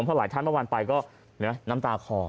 เพราะหลายท่านเมื่อวานไปก็น้ำตาคอ